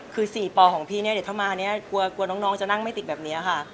คือ๔ปอของพี่เนี่ยเดี๋ยวถ้ามาเนี่ยกลัวน้องจะนั่งไม่ติดแบบนี้ค่ะ